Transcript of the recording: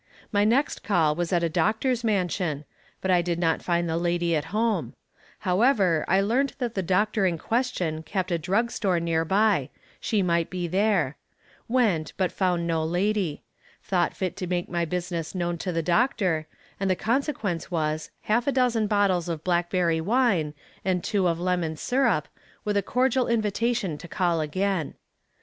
My next call was at a doctor's mansion, but I did not find the lady at home; however, I learned that the doctor in question kept a drug store near by; she might be there; went, but found no lady; thought fit to make my business known to the doctor, and the consequence was, half a dozen bottles of blackberry wine and two of lemon syrup, with a cordial invitation to call again.